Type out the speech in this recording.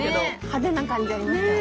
派手な感じ。